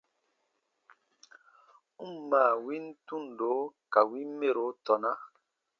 N ǹ maa win tundo ka win mɛro tɔna.